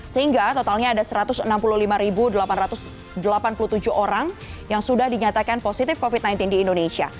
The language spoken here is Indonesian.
sehingga totalnya ada satu ratus enam puluh lima delapan ratus delapan puluh tujuh orang yang sudah dinyatakan positif covid sembilan belas di indonesia